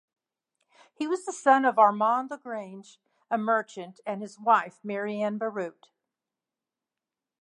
He was the son of Armand Lagrange, a merchant, and his wife Marianne Baruit.